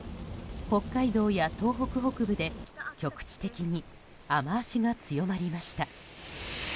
北海道や東北北部で局地的に雨脚が強まりました。